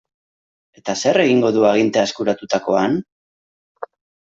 Eta zer egingo du agintea eskuratutakoan?